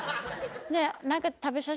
ねえ。